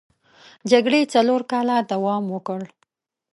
جګړې څلور کاله دوام وکړ.